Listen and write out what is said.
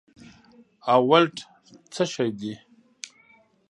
او ولټ څه شي دي